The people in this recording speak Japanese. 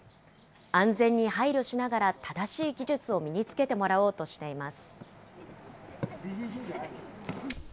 安全に配慮しながら正しい技術を身につけてもらおうとしています。